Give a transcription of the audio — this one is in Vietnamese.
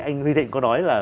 anh huy thịnh có nói là